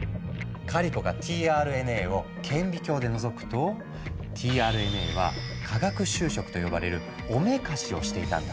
カリコがｔＲＮＡを顕微鏡でのぞくとｔＲＮＡは化学修飾と呼ばれるおめかしをしていたんだ。